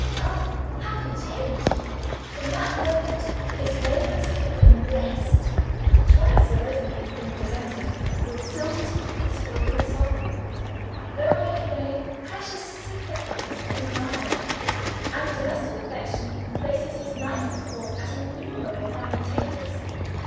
Oh, happy change! From that moment his labors have been blessed. Twice already he has been presented with silver tea pots filled with sovereigns. Go where he may, precious sympathies environ him; and domestic affection places his knife and fork at innumerable family tables.